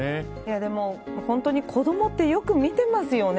でも本当に子どもってよく見てますよね。